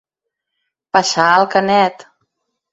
Passar el canet.